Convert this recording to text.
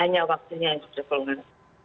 hanya waktunya yang sudah golongan